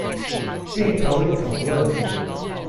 並投入討論